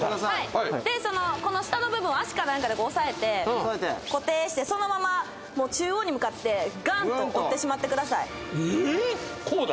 でこの下の部分を足かなんかで押さえて押さえて固定してそのままもう中央に向かってガンと折ってしまってくださいええー？